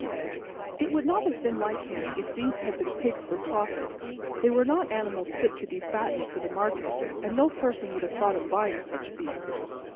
It would not have been like him if these had been pigs for profit: they were not animals fit to be fattened for the market, and no person would have thought of buying such beasts.